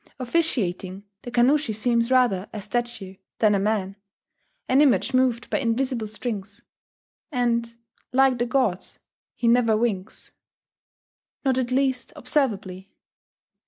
Officiating, the Kannushi seems rather a statue than a man, an image moved by invisible strings; and, like the gods, he never winks. Not at least observably....